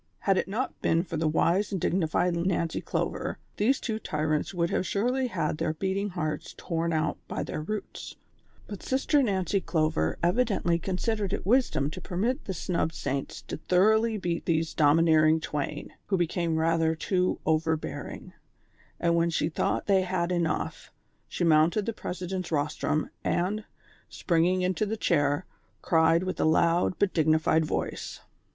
Had it not been for the wise and dignified I^ancy Clover, these two tyrants would have surely had their beating hearts torn out by their roots ; but Sister Nancy Clover evidently considered it wisdom to permit the snubbed saints to thoroughly beat these domineering twain, who became rather too overbearing ; and when she thought they had enough, she mounted the President's rostrum, and, springing into the chair, cried with a loud but digni fied voice : THE CONSPIRATOES AND LOVERS.